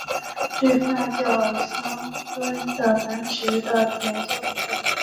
对富纳角箱鲀的繁殖的研究很彻底。